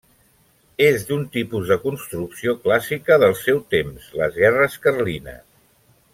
És d'un tipus de construcció clàssica del seu temps: les guerres carlines.